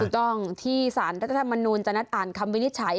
ต้องที่สารรัฐธรรมนูลจะนัดอ่านคำวินิจฉัย